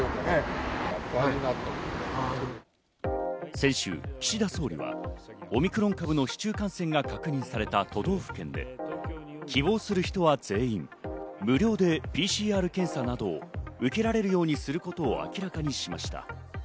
先週、岸田総理はオミクロン株の市中感染が確認された都道府県で希望する人は全員無料でＰＣＲ検査などを受けられるようにすることを明らかにしました。